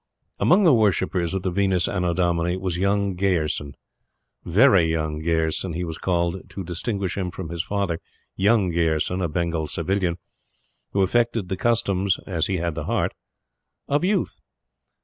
Among the worshippers of the Venus Annodomini was young Gayerson. "Very Young" Gayerson, he was called to distinguish him from his father "Young" Gayerson, a Bengal Civilian, who affected the customs as he had the heart of youth.